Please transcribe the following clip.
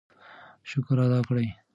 شکر ادا کړئ.